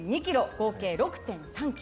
合計６．３ｋｍ。